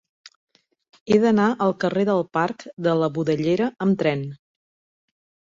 He d'anar al carrer del Parc de la Budellera amb tren.